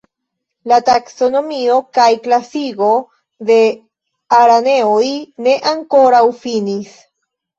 La taksonomio kaj klasigo de araneoj ne ankoraŭ finis.